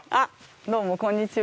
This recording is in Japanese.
どうも、こんにちは。